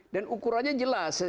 dan ukurannya jelas